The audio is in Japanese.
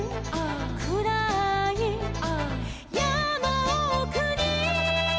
「くらーい」「」「やまおくに」